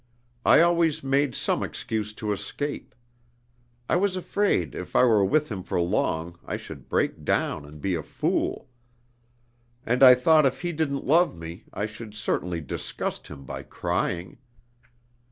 I always made some excuse to escape. I was afraid if I were with him for long I should break down and be a fool. And I thought if he didn't love me I should certainly disgust him by crying.